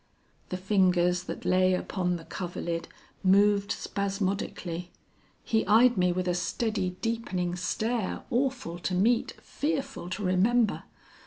"The fingers that lay upon the coverlid moved spasmodically; he eyed me with a steady deepening stare, awful to meet, fearful to remember.